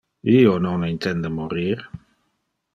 Io non intende morir.